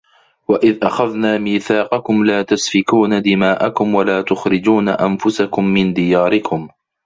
وَإِذْ أَخَذْنَا مِيثَاقَكُمْ لَا تَسْفِكُونَ دِمَاءَكُمْ وَلَا تُخْرِجُونَ أَنْفُسَكُمْ مِنْ دِيَارِكُمْ